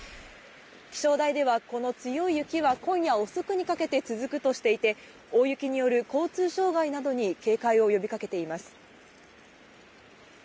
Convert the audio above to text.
気象台ではこの強い雪は今夜遅くにかけて続くとしていて大雪による交通障害などに警戒を呼びかけています。